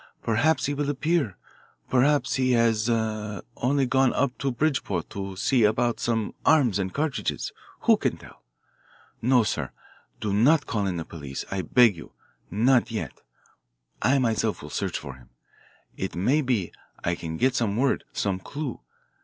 Perhaps he will appear. Perhaps he has only gone up to Bridgeport to see about some arms and cartridges who can tell? No, sir, do not call in the police, I beg you not yet. I myself will search for him. It may be I can get some word, some clue.